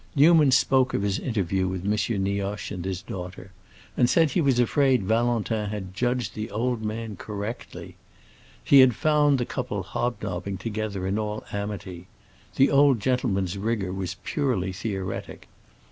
Newman spoke of his interview with M. Nioche and his daughter, and said he was afraid Valentin had judged the old man correctly. He had found the couple hobnobbing together in all amity; the old gentleman's rigor was purely theoretic.